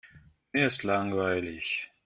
Mir ist langweilig.